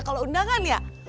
kalau undangan ya